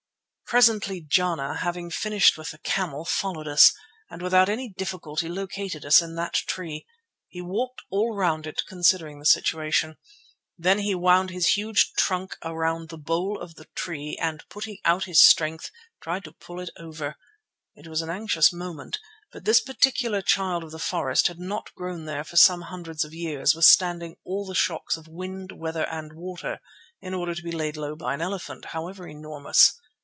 Presently Jana, having finished with the camel, followed us, and without any difficulty located us in that tree. He walked all round it considering the situation. Then he wound his huge trunk about the bole of the tree and, putting out his strength, tried to pull it over. It was an anxious moment, but this particular child of the forest had not grown there for some hundreds of years, withstanding all the shocks of wind, weather and water, in order to be laid low by an elephant, however enormous.